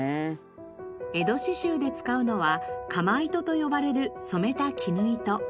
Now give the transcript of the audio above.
江戸刺繍で使うのは釜糸と呼ばれる染めた絹糸。